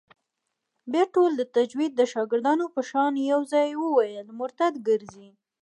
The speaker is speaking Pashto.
بيا ټولو د تجويد د شاگردانو په شان يو ځايي وويل مرتد کرزى.